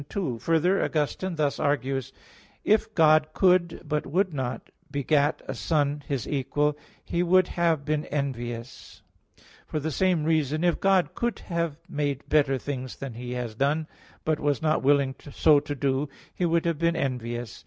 2: Further, Augustine thus argues (Contra Maximin. iii, 8): "If God could, but would not, beget a Son His equal, He would have been envious." For the same reason, if God could have made better things than He has done, but was not willing so to do, He would have been envious.